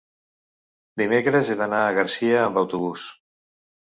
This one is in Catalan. dimecres he d'anar a Garcia amb autobús.